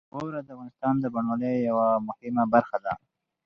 واوره د افغانستان د بڼوالۍ یوه مهمه برخه ده.